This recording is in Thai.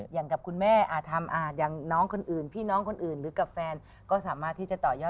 อย่างกับคุณแม่ทำอย่างน้องคนอื่นพี่น้องคนอื่นหรือกับแฟนก็สามารถที่จะต่อยอด